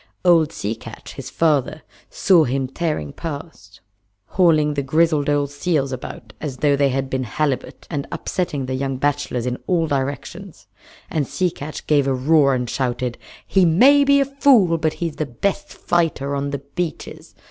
Old Sea Catch, his father, saw him tearing past, hauling the grizzled old seals about as though they had been halibut, and upsetting the young bachelors in all directions; and Sea Catch gave a roar and shouted: "He may be a fool, but he is the best fighter on the beaches!